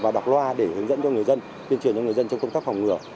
và đọc loa để hướng dẫn cho người dân tuyên truyền cho người dân trong công tác phòng ngừa